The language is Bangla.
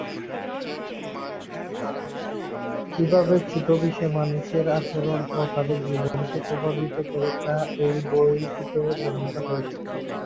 কীভাবে ছোট বিষয় মানুষের আচরণ ও তাদের জীবনকে প্রভাবিত করে তা এই বইটিতে বর্ণিত হয়েছে।